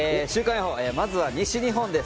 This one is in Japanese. まずは西日本です。